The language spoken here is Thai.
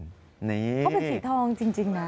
เพราะเป็นสีทองจริงนะ